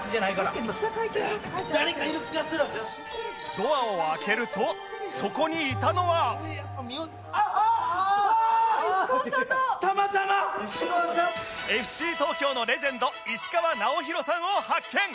ドアを開けるとＦＣ 東京のレジェンド石川直宏さんを発見！